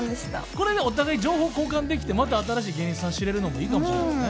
これでお互い情報交換できてまた新しい芸人さん知れるのもいいかもしれないですね。